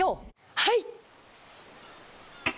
はい！